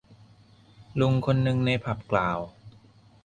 ลุงคนนึงในผับกล่าว